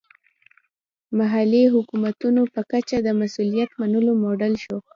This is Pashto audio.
محلي حکومتونو په کچه د مسوولیت منلو موډل شو.